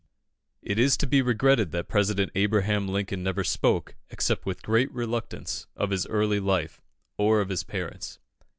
It is to be regretted that President Abraham Lincoln never spoke, except with great reluctance, of his early life, or of his parents.